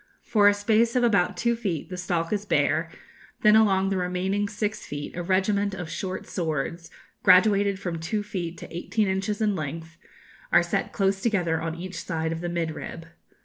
For a space of about two feet the stalk is bare; then along the remaining six feet a regiment of short swords, graduated from two feet to eighteen inches in length, are set close together on each side of the mid rib.